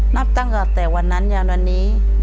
นับตั้งแต่วันนั้นยันวันนี้